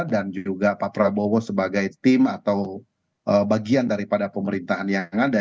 dan juga pak prabowo sebagai tim atau bagian daripada pemerintahan yang ada